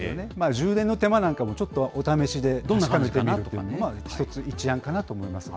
充電の手間なんかもちょっとお試しで、どんな感じか見るというのは一つ、一案かなと思います。